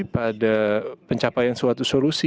pada pencapaian suatu solusi